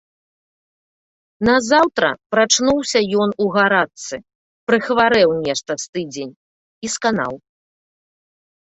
Назаўтра прачнуўся ён у гарачцы, прахварэў нешта з тыдзень і сканаў.